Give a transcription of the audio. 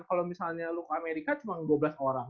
kalau misalnya lu ke amerika cuma dua belas orang